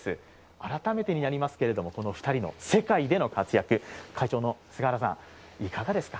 改めてになりますけれども、この２人の世界での活躍、会長の菅原さん、いかがですか？